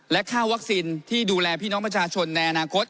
และค่าวัคซีนที่ดูแลพี่น้องประชาชนในอนาคต